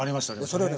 それをね